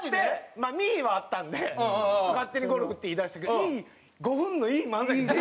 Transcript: まあ「見い！」はあったんで勝手にゴルフって言いだしたけどいい５分のいい漫才ができたな。